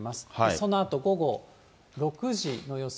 そのあと午後６時の予想。